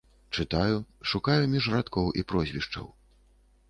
Чытаю, шукаю між радкоў і прозвішчаў.